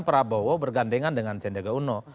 prabowo bergandengan dengan sendega uno